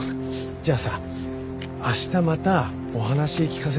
じゃあさ明日またお話聞かせてもらえるかな？